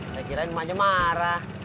saya kirain emaknya marah